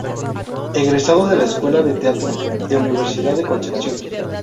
Egresado de la Escuela de Teatro de Universidad de Concepción.